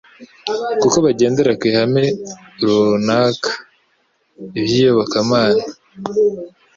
kuko bagendera ku ihame runaka iby'iyobokamana.